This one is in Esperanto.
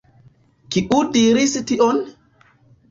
Kiu diris tion?